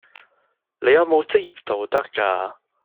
你有冇職業道德㗎？